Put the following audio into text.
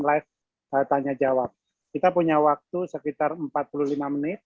live tanya jawab kita punya waktu sekitar empat puluh lima menit